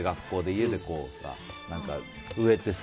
家でとか植えてさ。